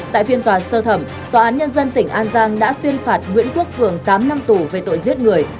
tại phiên tòa sơ thẩm tòa án nhân dân tỉnh an giang đã tuyên phạt nguyễn quốc cường tám năm tù về tội giết người